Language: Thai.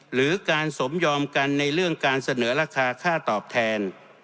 หรือการสมยอมกันในเรื่องการเสนอราคาค่าตอบแทน